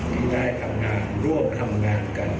ที่ได้ทำงานร่วมทำงานกัน